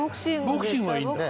ボクシングはいいんだ？